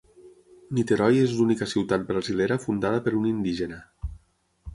Niterói és l'única ciutat brasilera fundada per un indígena.